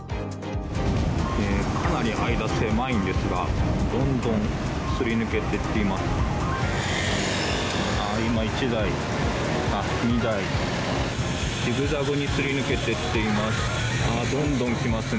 かなり間狭いんですがどんどんすり抜けていっています。